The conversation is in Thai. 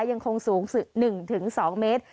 ยังคงสูง๑๒เมตร